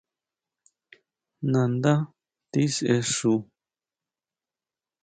Nandá tisexu.